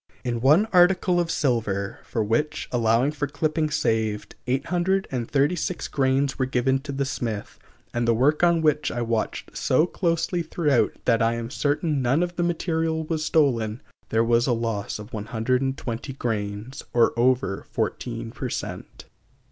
In one article of silver, for which, allowing for clippings saved, 836 grains were given to the smith, and the work on which I watched so closely throughout that I am certain none of the material was stolen, there was a loss of 120 grains, or over 14 per cent.